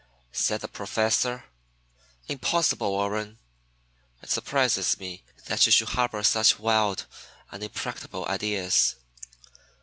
said the Professor. "Impossible, Warren! It surprises me that you should harbor such wild and impracticable ideas."